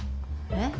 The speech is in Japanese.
えっ？